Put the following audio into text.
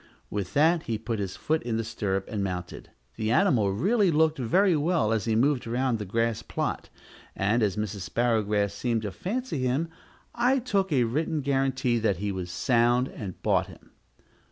With that he put his foot in the stirrup, and mounted. The animal really looked very well as he moved around the grass plot, and, as Mrs. Sparrowgrass seemed to fancy him, I took a written guarantee that he was sound, and bought him.